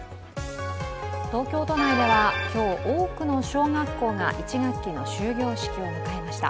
東京都内では今日、多くの小学校が１学期の終業式を迎えました。